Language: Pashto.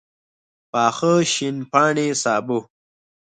پاخه شین پاڼي سابه